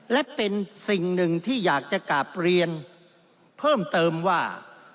และเป็นสิ่งหนึ่งที่อยากจะกลับเรียนเพิ่มเติมว่า